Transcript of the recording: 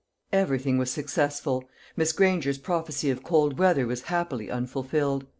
Everything was successful; Miss Granger's prophecy of cold weather was happily unfulfilled.